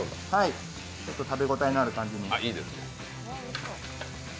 はい食べ応えのある感じに。